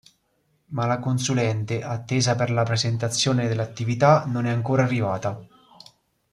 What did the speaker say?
Ma la consulente, attesa per la presentazione dell’attività, non è ancora arrivata.